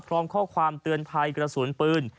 พร้อมข้อความเตือนภัยกระสุนปืน